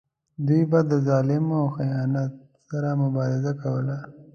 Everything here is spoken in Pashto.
دوی به د ظلم او خیانت سره مبارزه کوله.